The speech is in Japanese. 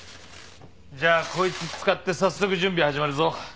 じゃあこいつ使って早速準備始めるぞ。